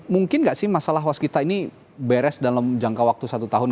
mungkin nggak sih masalah hos kita ini beres dalam jangka waktu satu tahun